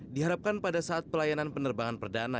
diharapkan pada saat pelayanan penerbangan perdana